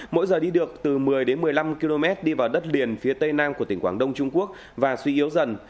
mỗi giờ đi được từ một mươi một mươi năm km đi vào đất liền phía tây nam của tỉnh quảng đông trung quốc và suy yếu dần